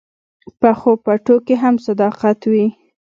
پخو پټو کې هم صداقت وي